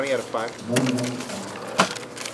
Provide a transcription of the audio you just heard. Vamos almoçar